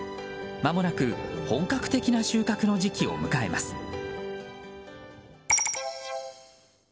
まもなく本格的な収穫の時期を迎えます。